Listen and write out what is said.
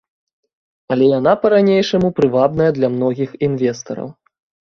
Але яна па-ранейшаму прывабная для многіх інвестараў.